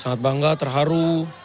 sangat bangga terharu